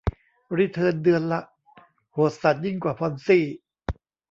รีเทิร์นเดือนละ โหดสัสยิ่งกว่าพอนซี่